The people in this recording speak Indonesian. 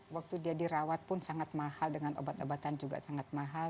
waktu dia dirawat pun sangat mahal dengan obat obatan juga sangat mahal